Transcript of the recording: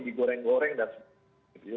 digoreng goreng dan sebagainya